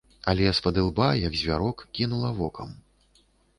Але спадылба, як звярок, кінула вокам.